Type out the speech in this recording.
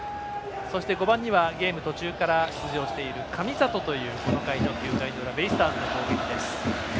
５番には、ゲーム途中から出場している神里がいる９回の裏ベイスターズの攻撃です。